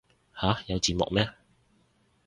吓有字幕咩